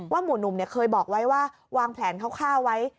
ว่าหมู่หนุ่มเนี่ยเคยบอกไว้ว่าวางแผนค่าไว้